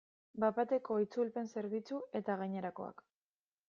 Bat-bateko itzulpen zerbitzu eta gainerakoak.